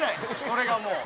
それがもう。